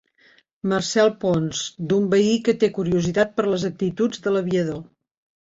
Marcel Ponts d'un veí que té curiositat per les actituds de l'aviador.